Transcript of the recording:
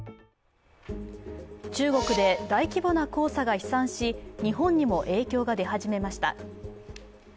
中国で大規模な黄砂が飛散し日本にも影響が出始めました。